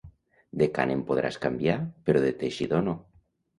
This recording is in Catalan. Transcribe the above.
De cànem podràs canviar, però de teixidor no.